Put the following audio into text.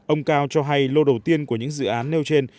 ông cao cho hay lô đầu tiên của những dự án nêu trên